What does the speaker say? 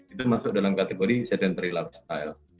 itu masuk dalam kategori sedentary lifestyle